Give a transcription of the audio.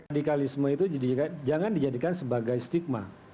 radikalisme itu jangan dijadikan sebagai stigma